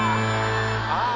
ああ。